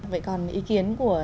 vậy còn ý kiến của